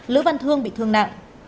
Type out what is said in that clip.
lữ văn thương bị thương nặng